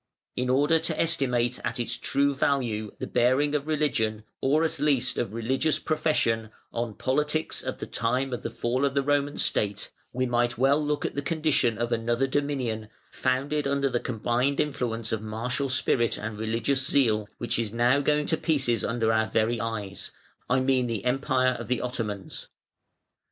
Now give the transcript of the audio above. In order to estimate at its true value the bearing of religion, or at least of religious profession, on politics, at the time of the fall of the Roman State, we might well look at the condition of another dominion, founded under the combined influence of martial spirit and religious zeal, which is now going to pieces under our very eyes, I mean the Empire of the Ottomans.